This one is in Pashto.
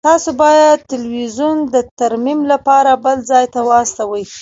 تاسو باید تلویزیون د ترمیم لپاره بل ځای ته واستوئ